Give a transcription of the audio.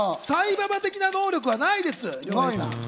サイババ的な能力はないです。